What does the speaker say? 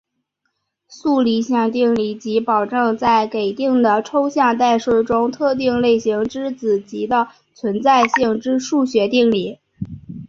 素理想定理即保证在给定的抽象代数中特定类型之子集的存在性之数学定理。